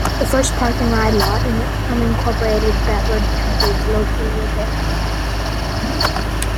The first Park-N-Ride lot, in unincorporated Brevard County, is located there.